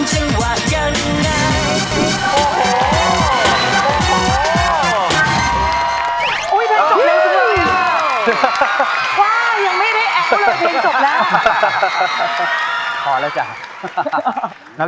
ฉันว่าเธอคือมีโอกาสใช่ไหม